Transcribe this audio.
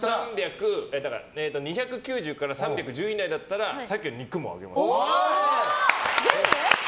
２９０ｇから３１０ｇ以内ならさっきの肉もあげます。